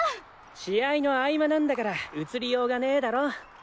試合の合間なんだから映りようがねだろ。